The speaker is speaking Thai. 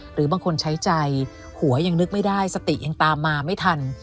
หรือบางคนใช้ใจหัวยังนึกไม่ได้สติยังตามมาไม่ทัน